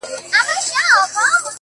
ستا باڼه هم ستا د سترگو جرم پټ کړي!!